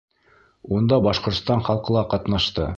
Унда Башҡортостан халҡы ла ҡатнашты.